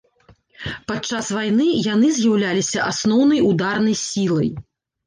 Падчас вайны яны з'яўляліся асноўнай ударнай сілай.